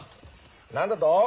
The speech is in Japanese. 何だと？